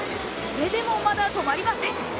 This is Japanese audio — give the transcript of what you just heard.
それでも、まだ止まりません。